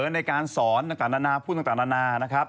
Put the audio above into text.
ในการสอนต่างหน้าพูดต่าง